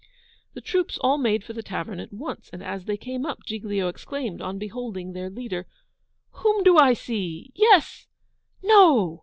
The troops all made for the tavern at once, and as they came up Giglio exclaimed, on beholding their leader, 'Whom do I see? Yes! No!